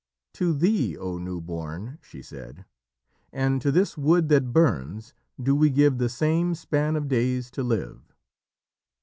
"To thee, O New Born," she said, "and to this wood that burns, do we give the same span of days to live."